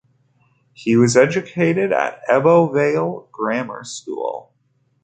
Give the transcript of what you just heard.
He was educated at Ebbw Vale Grammar School.